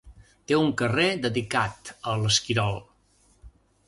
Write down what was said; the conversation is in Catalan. Té un carrer dedicat a l'Esquirol.